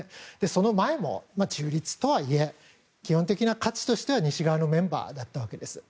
その前も中立とはいえ基本的な価値としては西側のメンバーだったわけです。